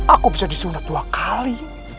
aku bisa disunat dua kali